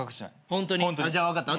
ホントに？じゃあ分かった。